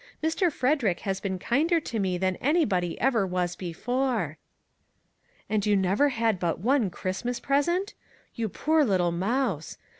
Mr. Frederick has been kinder to me than anybody ever was before." " And you never had but one Christmas pres ent? You poor little mouse!